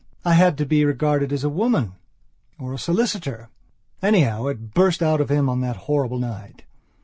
I had to be regarded as a woman or a solicitor. Anyhow, it burst out of him on that horrible night.